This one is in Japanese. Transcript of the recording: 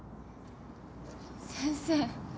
先生。